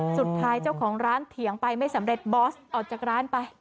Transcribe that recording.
สุดท้ายเจ้าของร้านเถียงไปไม่สำเร็จบอสออกจากร้านไป